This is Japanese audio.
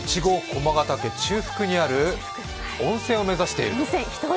駒ヶ岳中腹にある温泉を目指している。